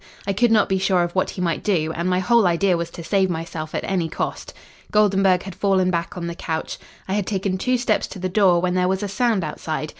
I could not be sure of what he might do, and my whole idea was to save myself at any cost. Goldenburg had fallen back on the couch. I had taken two steps to the door when there was a sound outside.